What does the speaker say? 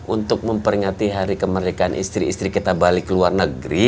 untuk memperingati hari kemerdekaan istri istri kita balik ke luar negeri